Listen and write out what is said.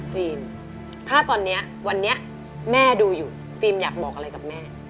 ถ้าตอนนี้วันนี้แม่ดูอยู่ฟิล์มอยากบอกอะไรกับแม่